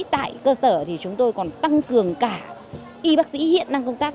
tại cơ sở thì chúng tôi còn tăng cường cả y bác sĩ hiện đang công tác